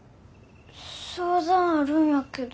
相談あるんやけど今ええ？